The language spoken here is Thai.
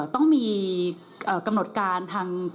ต้องมีกำหนดการทาง